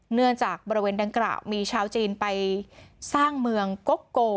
เนื่องจากบริเวณดังกล่าวมีชาวจีนไปสร้างเมืองกกโก